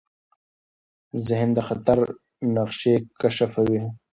ذهن د خطر نښې کشفوي.